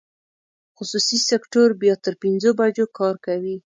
خصوصي سکټور بیا تر پنځو بجو کار کوي.